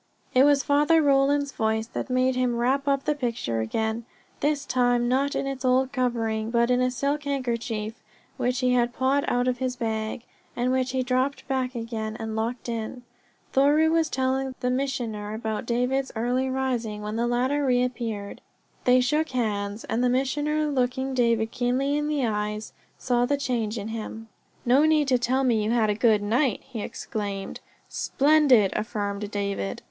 It was Father Roland's voice that made him wrap up the picture again, this time not in its old covering, but in a silk handkerchief which he had pawed out of his bag, and which he dropped back again, and locked in. Thoreau was telling the Missioner about David's early rising when the latter reappeared. They shook hands, and the Missioner, looking David keenly in the eyes, saw the change in him. "No need to tell me you had a good night!" he exclaimed. "Splendid," affirmed David.